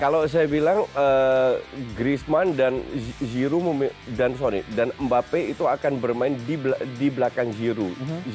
kalau saya bilang griezmann dan mbappe itu akan bermain di belakang giroud